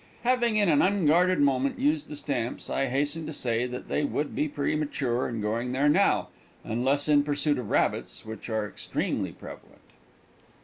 Having in an unguarded moment used the stamps, I hasten to say that they would be premature in going there now, unless in pursuit of rabbits, which are extremely prevalent.